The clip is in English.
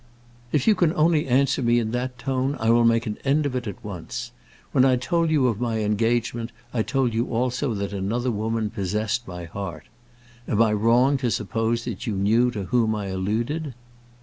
"If you can only answer me in that tone I will make an end of it at once. When I told you of my engagement, I told you also that another woman possessed my heart. Am I wrong to suppose that you knew to whom I alluded?"